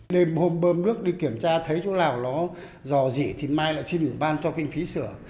đêm hôm bơm nước đi kiểm tra thấy chỗ nào nó dò dỉ thì mai lại xin ủng ban cho kinh phí sửa